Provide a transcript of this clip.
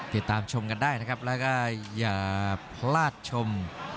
ติดตามชมกันได้นะครับแล้วก็อย่าพลาดชม